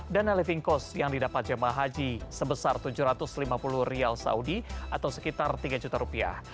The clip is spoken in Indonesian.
dana living cost yang didapat jemaah haji sebesar tujuh ratus lima puluh rial saudi atau sekitar tiga juta rupiah